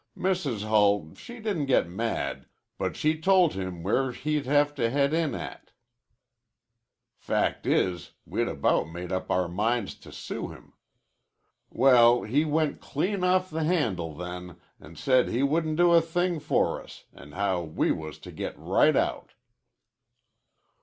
Mrs. Hull she didn't get mad, but she told him where he'd have to head in at. Fact is, we'd about made up our minds to sue him. Well, he went clean off the handle then, an' said he wouldn't do a thing for us, an' how we was to get right out."